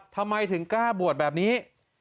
ทำไมถึงกล้าบวชแบบนี้